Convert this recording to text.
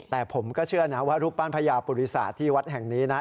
แต่ผมก็เชื่อนะทุกบ้านพระยาปุริษาตร์ที่วัดแห่งนี้นะ